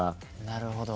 なるほど。